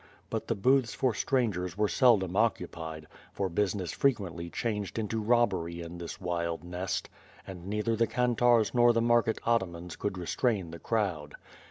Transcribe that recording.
But the booths for stran gers were seldom occupied, for business frequently changed into robbery in this wild nest; and neither the kantarz nor the market atamans could restrain the crowd.